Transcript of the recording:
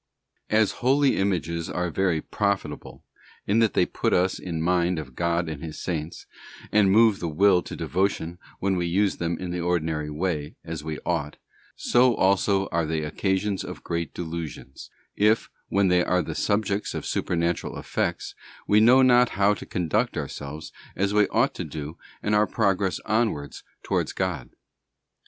As Holy Images are very profitable, in that they put us in mind of God and His Saints, and move the will to devotion when we use them in the ordinary way, as we ought; so also are they occasions of great delusions if, when they are the subjects of supernatural effects, we know not how to conduct ourselves as we ought to do in our progress onwards towards God.